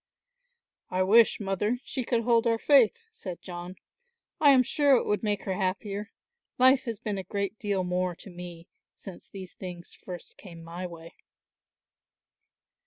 "I wish, Mother, she could hold our faith," said John. "I am sure it would make her happier. Life has been a great deal more to me since these things first came my way."